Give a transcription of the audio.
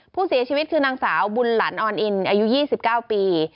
ผู้เสียชีวิตคือนางสาวบุญหลันออนอินอายุ๒๙ปี